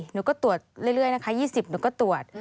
หนูก็ตรวจเรื่อยนะคะ๒๐หนูก็ตรวจ